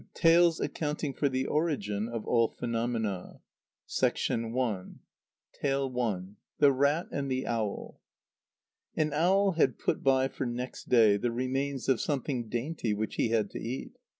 TALES ACCOUNTING FOR THE ORIGIN OF PHENOMENA. i. _The Rat and the Owl._[B] An owl had put by for next day the remains of something dainty which he had to eat.